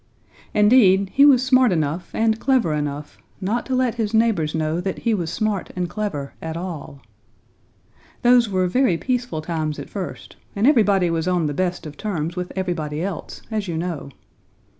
Indeed, he was smart enough and clever enough not to let his neighbors know that he was smart and clever at all. Those were very peaceful times at first, and everybody was on the best of terms with everybody else, as you know.